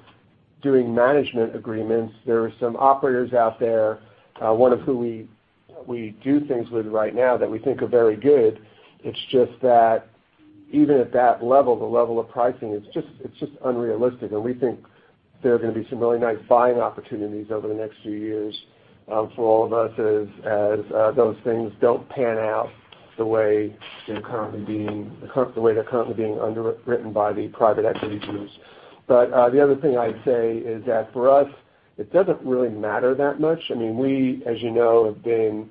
doing management agreements. There are some operators out there, one of who we do things with right now that we think are very good. It's just that even at that level, the level of pricing, it's just unrealistic. We think there are going to be some really nice buying opportunities over the next few years for all of us as those things don't pan out the way they're currently being underwritten by the private equity groups. The other thing I'd say is that for us, it doesn't really matter that much. We, as you know, have been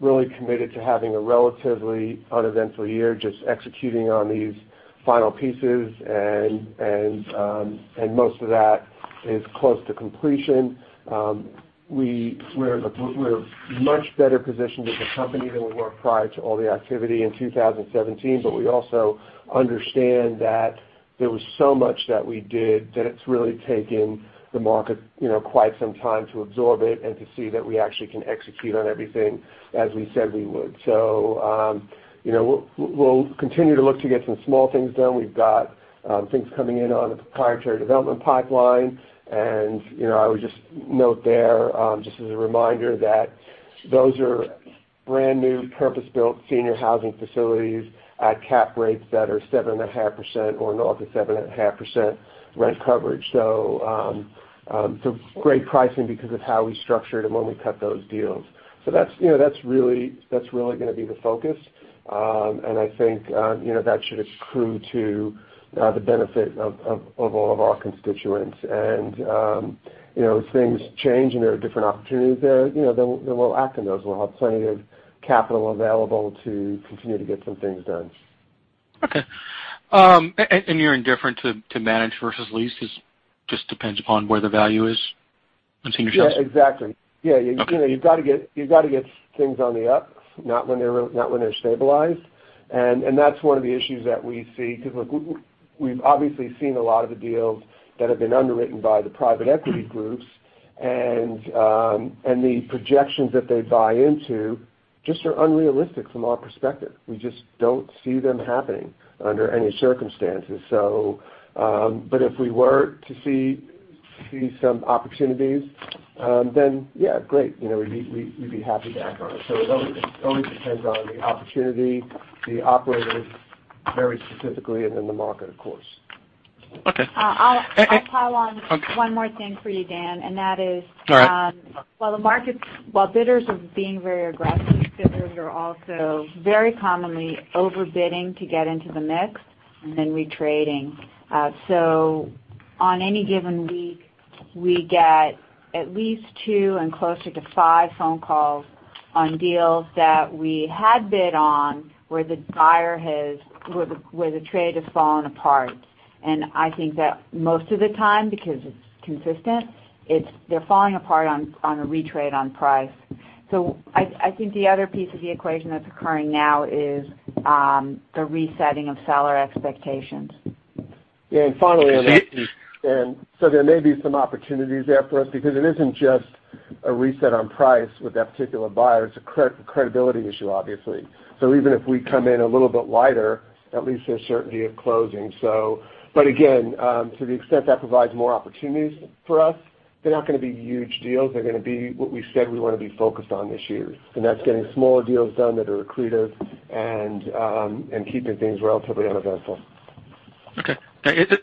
really committed to having a relatively uneventful year, just executing on these final pieces, and most of that is close to completion. We're much better positioned as a company than we were prior to all the activity in 2017. We also understand that there was so much that we did, that it's really taken the market quite some time to absorb it and to see that we actually can execute on everything as we said we would. We'll continue to look to get some small things done. We've got things coming in on the proprietary development pipeline, and I would just note there, just as a reminder, that those are brand-new purpose-built senior housing facilities at cap rates that are 7.5% or north of 7.5% rent coverage. Great pricing because of how we structured and when we cut those deals. That's really going to be the focus. I think that should accrue to the benefit of all of our constituents. As things change and there are different opportunities there, we'll act on those. We'll have plenty of capital available to continue to get some things done. Okay. You're indifferent to manage versus lease. It just depends upon where the value is in seniors housing. Yes, exactly. Yeah. Okay. You've got to get things on the up, not when they're stabilized. That's one of the issues that we see, because look, we've obviously seen a lot of the deals that have been underwritten by the private equity groups, the projections that they buy into just are unrealistic from our perspective. We just don't see them happening under any circumstances. If we were to see some opportunities, yeah, great. We'd be happy to act on it. It always depends on the opportunity, the operators very specifically, and the market, of course. Okay. I'll pile on- Okay. one more thing for you, Dan, and that is- All right while bidders are being very aggressive, bidders are also very commonly overbidding to get into the mix and then retrading. On any given week, we get at least two and closer to five phone calls on deals that we had bid on where the trade has fallen apart. I think that most of the time, because it's consistent, they're falling apart on a retrade on price. I think the other piece of the equation that's occurring now is the resetting of seller expectations. Finally on that piece, there may be some opportunities there for us because it isn't just a reset on price with that particular buyer. It's a credibility issue, obviously. Even if we come in a little bit lighter, at least there's certainty of closing. To the extent that provides more opportunities for us, they're not going to be huge deals. They're going to be what we said we want to be focused on this year, and that's getting smaller deals done that are accretive and keeping things relatively uneventful. Maybe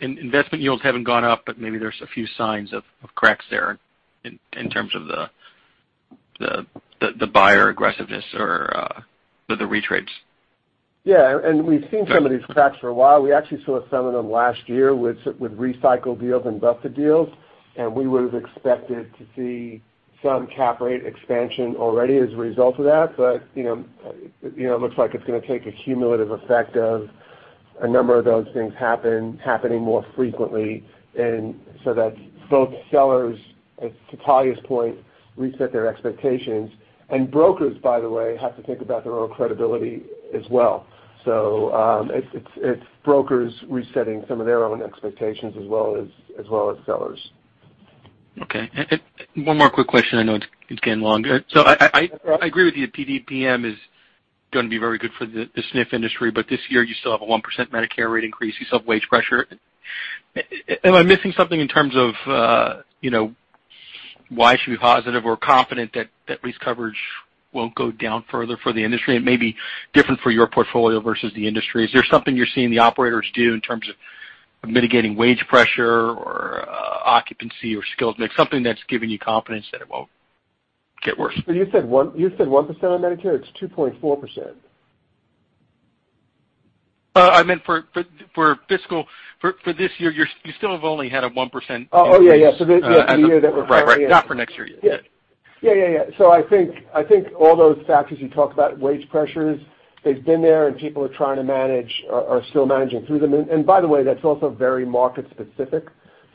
investment yields haven't gone up, but maybe there's a few signs of cracks there in terms of the buyer aggressiveness or the retrades. We've seen some of these cracks for a while. We actually saw some of them last year with recycled deals and busted deals, we would've expected to see some cap rate expansion already as a result of that. It looks like it's going to take a cumulative effect of a number of those things happening more frequently, that both sellers, to Talya's point, reset their expectations. Brokers, by the way, have to think about their own credibility as well. It's brokers resetting some of their own expectations as well as sellers. One more quick question. I know it's getting longer. I agree with you, PDPM is going to be very good for the SNF industry, this year, you still have a 1% Medicare rate increase. You still have wage pressure. Am I missing something in terms of why should we be positive or confident that lease coverage won't go down further for the industry? It may be different for your portfolio versus the industry. Is there something you're seeing the operators do in terms of mitigating wage pressure or occupancy or skill mix, something that's giving you confidence that it won't get worse? You said 1% on Medicare. It's 2.4%. I meant for this year, you still have only had a 1% increase. Oh, yeah. The year that we're currently in. Right. Not for next year yet. I think all those factors you talked about, wage pressures, they've been there and people are trying to manage or are still managing through them. By the way, that's also very market specific.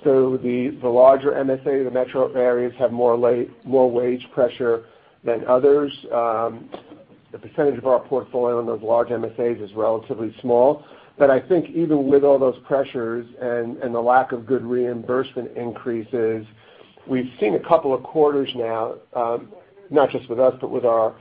The larger MSA, the metro areas, have more wage pressure than others. The percentage of our portfolio in those large MSAs is relatively small. I think even with all those pressures and the lack of good reimbursement increases, we've seen a couple of quarters now, not just with us, but with our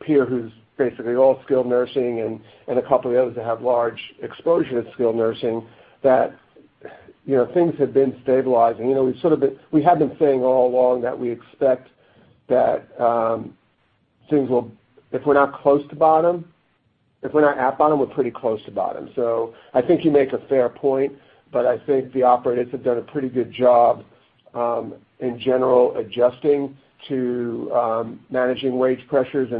peer who's basically all skilled nursing and a couple of the others that have large exposure to skilled nursing, that things have been stabilizing. We have been saying all along that we expect that if we're not close to bottom, if we're not at bottom, we're pretty close to bottom. I think you make a fair point, I think the operators have done a pretty good job, in general, adjusting to managing wage pressures.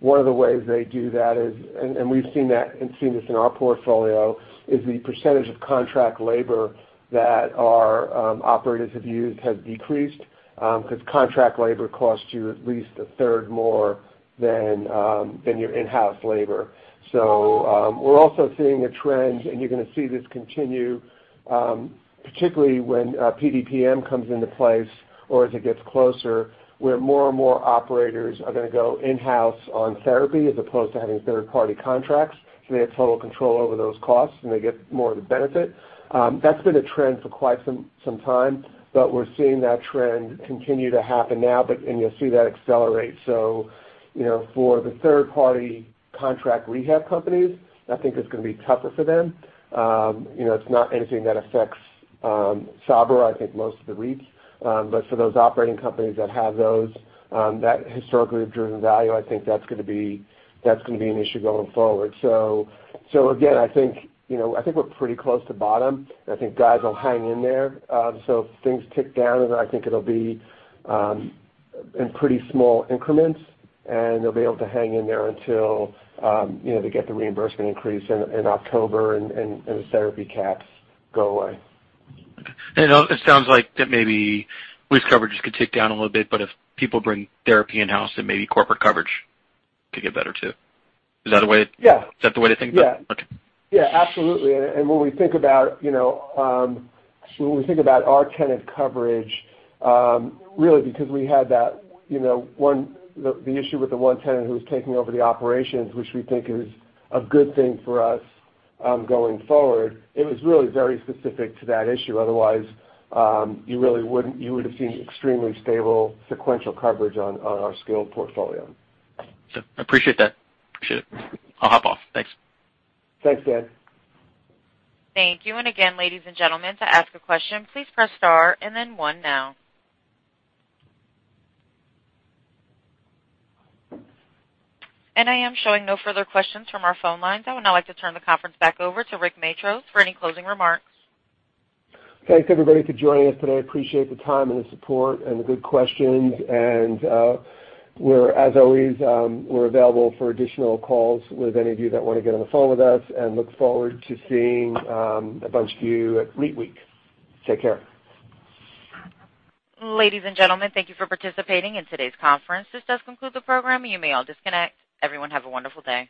One of the ways they do that is, and we've seen this in our portfolio, is the percentage of contract labor that our operators have used has decreased, because contract labor costs you at least a third more than your in-house labor. We're also seeing a trend, and you're going to see this continue, particularly when PDPM comes into place or as it gets closer, where more and more operators are going to go in-house on therapy as opposed to having third-party contracts. They have total control over those costs, and they get more of the benefit. That's been a trend for quite some time. We're seeing that trend continue to happen now, and you'll see that accelerate. For the third-party contract rehab companies, I think it's going to be tougher for them. It's not anything that affects Sabra or I think most of the REITs. For those operating companies that have those that historically have driven value, I think that's going to be an issue going forward. Again, I think we're pretty close to bottom, and I think guys will hang in there. If things tick down, I think it'll be in pretty small increments, and they'll be able to hang in there until they get the reimbursement increase in October and the therapy caps go away. It sounds like that maybe lease coverages could tick down a little bit, if people bring therapy in-house, maybe corporate coverage could get better too. Is that the way to think about it? Yeah, absolutely. When we think about our tenant coverage, really because we had the issue with the one tenant who was taking over the operations, which we think is a good thing for us, going forward, it was really very specific to that issue. Otherwise, you would've seen extremely stable sequential coverage on our skilled portfolio. I appreciate that. Appreciate it. I'll hop off. Thanks. Thanks, Dan. Thank you. Again, ladies and gentlemen, to ask a question, please press star and then one now. I am showing no further questions from our phone lines. I would now like to turn the conference back over to Rick Matros for any closing remarks. Thanks everybody for joining us today. Appreciate the time and the support and the good questions. As always, we're available for additional calls with any of you that want to get on the phone with us and look forward to seeing a bunch of you at REITWeek. Take care. Ladies and gentlemen, thank you for participating in today's conference. This does conclude the program. You may all disconnect. Everyone have a wonderful day.